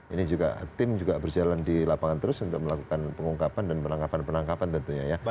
ini juga tim juga berjalan di lapangan terus untuk melakukan pengungkapan dan penangkapan penangkapan tentunya ya